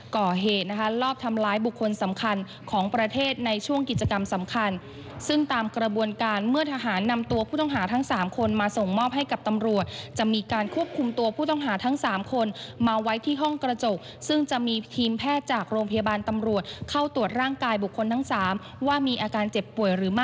ก่อเหตุนะคะลอบทำร้ายบุคคลสำคัญของประเทศในช่วงกิจกรรมสำคัญซึ่งตามกระบวนการเมื่อทหารนำตัวผู้ต้องหาทั้งสามคนมาส่งมอบให้กับตำรวจจะมีการควบคุมตัวผู้ต้องหาทั้ง๓คนมาไว้ที่ห้องกระจกซึ่งจะมีทีมแพทย์จากโรงพยาบาลตำรวจเข้าตรวจร่างกายบุคคลทั้งสามว่ามีอาการเจ็บป่วยหรือไม่